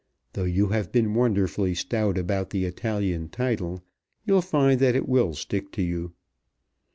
Though you have been wonderfully stout about the Italian title, you'll find that it will stick to you."